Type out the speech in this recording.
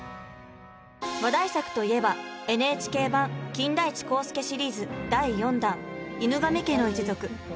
話題作といえばＮＨＫ版「金田一耕助シリーズ」第４弾「犬神家の一族」。